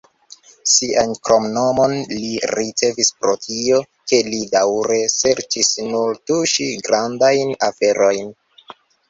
Sian kromnomon li ricevis pro tio, ke li daŭre serĉis nur tuŝi "grandajn aferojn".